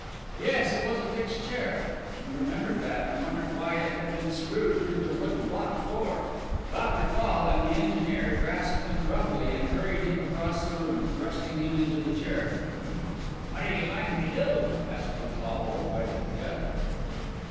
Yes, it was a fixed chair, he remembered that and wondered why it had been screwed to the wood block floor. Dr. Fall and the engineer grasped him roughly and hurried him across the room, thrusting him into the chair. "What are you going to do?" asked Poltavo, white as death.